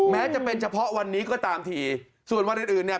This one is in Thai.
แม้จะเป็นเฉพาะวันนี้ก็ตามทีส่วนวันอื่นอื่นเนี่ย